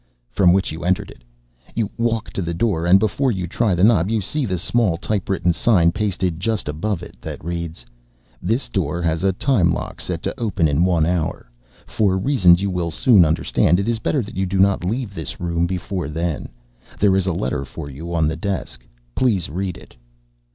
from which you entered it. You walk to the door and before you try the knob, you see the small typewritten sign pasted just above it that reads: This door has a time lock set to open in one hour. For reasons you will soon understand, it is better that you do not leave this room before then. There is a letter for you on the desk. Please read it.